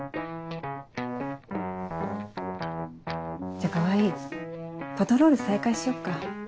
じゃあ川合パトロール再開しよっか。